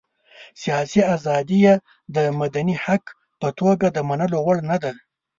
سياسي ازادي یې د مدني حق په توګه د منلو وړ نه ده.